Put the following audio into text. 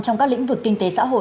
trong các lĩnh vực kinh tế xã hội